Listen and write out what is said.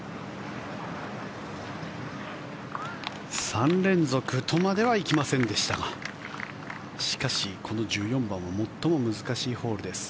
３連続とまではいきませんでしたがしかし、この１４番は最も難しいホールです。